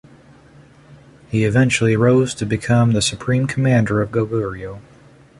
He eventually rose to become the supreme commander of Goguryeo.